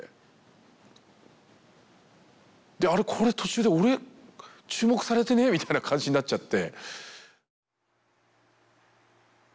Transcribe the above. で途中で「俺注目されてね？」みたいな感じになっちゃって。